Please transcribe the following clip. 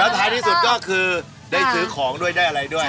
ท้ายที่สุดก็คือได้ซื้อของด้วยได้อะไรด้วย